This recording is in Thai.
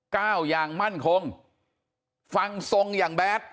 อย่างมั่นคงฟังทรงอย่างแบด